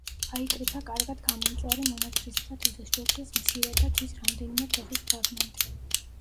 აიკრიფა კარგად გამომწვარი მონაცრისფრო თიხის ჭურჭლის მცირე და ქვის რამდენიმე თოხის ფრაგმენტი.